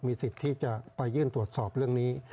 สิทธิ์ที่จะไปยื่นตรวจสอบเรื่องนี้